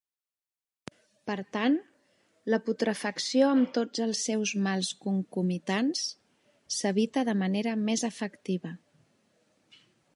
Per tant, la putrefacció amb tots els seus mals concomitants... s'evita de manera més efectiva.